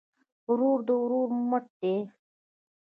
ورور د ورور مټ دی